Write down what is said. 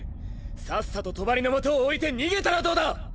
さっさと帳の基を置いて逃げたらどうだ！